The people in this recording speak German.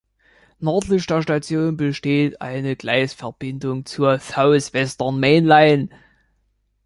Nördlich der Station besteht eine Gleisverbindung zur South Western Main Line.